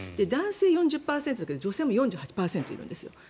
男性４０％女性も４８％いるんです。